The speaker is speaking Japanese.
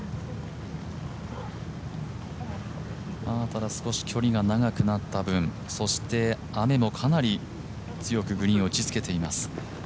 ただ少し距離が長くなった分、そして雨もかなり強くグリーンを打ちつけています。